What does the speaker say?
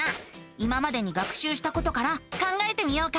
今までに学しゅうしたことから考えてみようか。